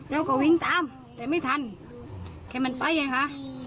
เราก็วิ่งตามแต่ไม่ทันแค่มันไปไงคะ